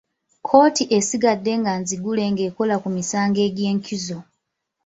Kkooti esigadde nga nzigule ng'ekola ku misango egy'enkizo.